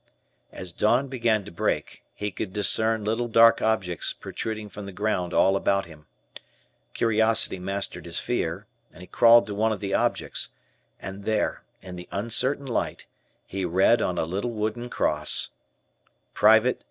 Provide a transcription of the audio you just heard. As dawn began to break, he could discern little dark objects protruding from the ground all about him. Curiosity mastered his fear and he crawled to one of the objects, and there, in the uncertain light, he read on a little wooden cross: "Pte.